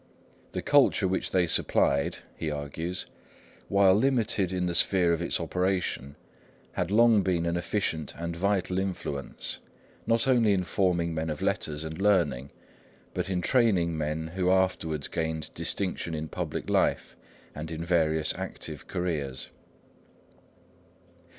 "The culture which they supplied," he argues, "while limited in the sphere of its operation, had long been an efficient and vital influence, not only in forming men of letters and learning, but in training men who afterwards gained distinction in public life and in various active careers."